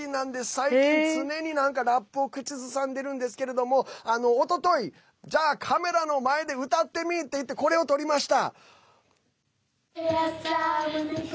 最近、常になんかラップを口ずさんでるんですけどおととい、じゃあカメラの前で歌ってみっていってこれを撮りました。